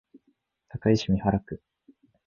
堺市美原区